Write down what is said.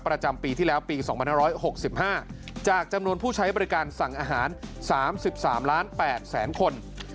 ประจำปีที่แล้วปี๒๕๖๕จากจำนวนผู้ใช้บริการสั่งอาหาร๓๓ล้าน๘แสนคน